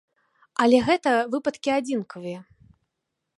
Але гэта выпадкі адзінкавыя.